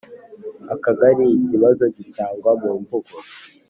Akagari Ikibazo gitangwa mu mvugo